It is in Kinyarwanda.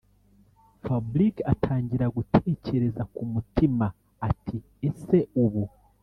fabric atangira gutekereza kumutima ati”ese ubu